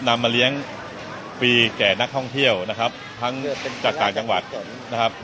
นำมาเลี้ยงปีแก่นักท่องเที่ยวนะครับทั้งจากต่างจังหวัดนะครับ